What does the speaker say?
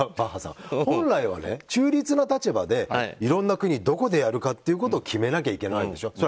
バッハさんは本来は中立な立場でいろんな国どこでやるかということを決めなきゃいけないでしょ。